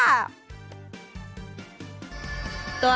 ตัว